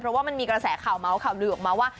เพราะว่ามันมีกระแซเข่าออกมาว่า